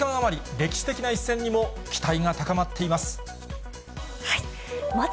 歴史的な一戦にも期待が高まっています。